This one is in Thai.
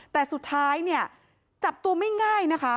แต่สุดท้ายเนี่ยจับตัวไม่ง่ายนะคะ